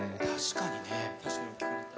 確かにね。